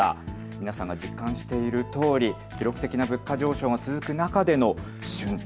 皆さんも実感しているとおり記録的な物価の上昇が続く中での春闘。